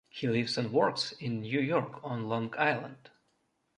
He lives and works in New York on Long Island.